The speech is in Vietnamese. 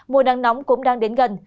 mùa nắng nóng cũng đang đến gần